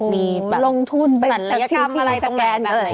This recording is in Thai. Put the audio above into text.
มีสั่นละยากามอะไรตรงนี้